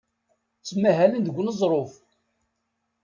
Ttmahalen deg uneẓruf.